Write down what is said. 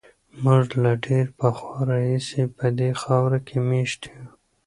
موږ له ډېر پخوا راهیسې په دې خاوره کې مېشت یو.